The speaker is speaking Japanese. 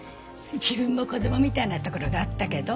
自分も子供みたいなところがあったけど。